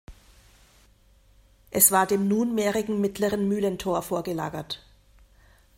Es war dem nunmehrigen mittleren Mühlentor vorgelagert.